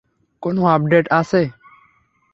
কোন আপডেট আছে?